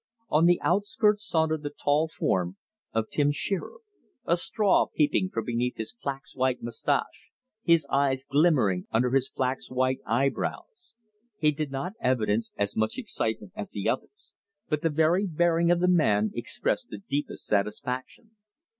On the outskirts sauntered the tall form of Tim Shearer, a straw peeping from beneath his flax white mustache, his eyes glimmering under his flax white eyebrows. He did not evidence as much excitement as the others, but the very bearing of the man expressed the deepest satisfaction.